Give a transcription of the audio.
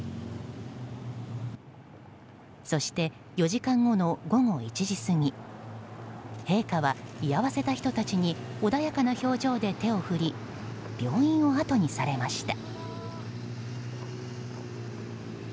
そして４時間後の午後１時過ぎ陛下は居合わせた人たちに穏やかな表情で手を振り病院をあとにされました。